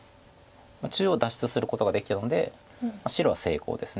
中央脱出することができたので白は成功です。